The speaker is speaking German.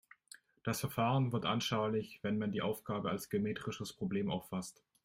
Das Verfahren wird anschaulich, wenn man die Aufgabe als geometrisches Problem auffasst.